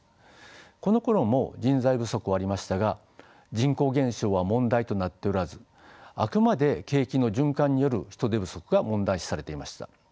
このころも人材不足はありましたが人口減少は問題となっておらずあくまで景気の循環による人手不足が問題視されていました。